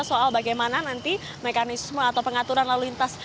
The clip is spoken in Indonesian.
soal bagaimana nanti mekanisme atau pengaturan lalu lintas